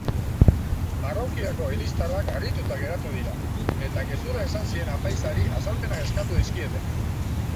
Parrokiako eliztarrek harrituta geratu dira eta gezurra esan zien apaizari azalpenak eskatu dizkiote.